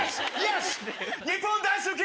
日本大好き！